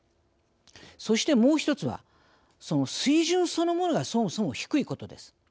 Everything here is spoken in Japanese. そして、もう１つはその水準そのものがそもそも低いことです。